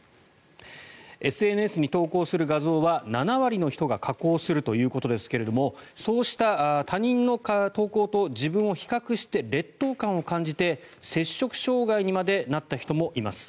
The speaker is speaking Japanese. ＳＮＳに投稿する画像は７割の人が加工するということですがそうした他人の投稿と自分を比較して劣等感を感じて、摂食障害にまでなった人もいます。